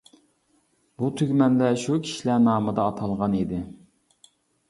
بۇ تۈگمەنلەر شۇ كىشىلەر نامىدا ئاتالغان ئىدى.